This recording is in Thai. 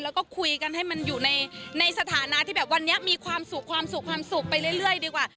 แล้วก็คุยกันให้มันอยู่ในสถานะที่แบบวันนี้มีความสุขไปเรื่อยดีกว่า